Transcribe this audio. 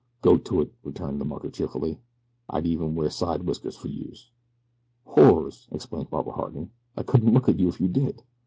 "Go to't," returned the mucker cheerfully; "I'd even wear side whiskers fer youse." "Horrors!" exclaimed Barbara Harding. "I couldn't look at you if you did."